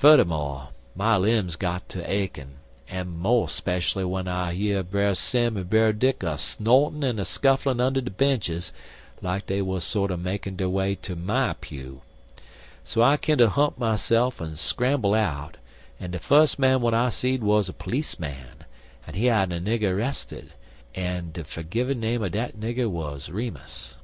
Fuddermo', my lim's got ter akin, mo' speshully w'en I year Brer Sim an' Brer Dick a snortin' and a skufflin' under de benches like ez dey wuz sorter makin' der way ter my pew. So I kinder hump myse'f an' scramble out, and de fus man w'at I seed was a pleeceman, an' he had a nigger 'rested, an' de fergiven name er dat nigger wuz Remus."